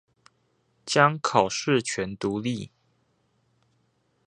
將考試權獨立